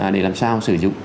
để làm sao sử dụng